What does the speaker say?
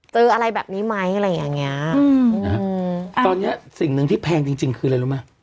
เจออะไรแบบนี้ไหมอะไรอย่างเงี้ยอืมนะฮะตอนเนี้ยสิ่งหนึ่งที่แพงจริงจริงคืออะไรรู้ไหม